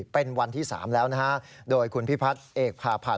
เป็นวันที่๓แล้วนะฮะโดยคุณพิพัฒน์เอกพาพันธ์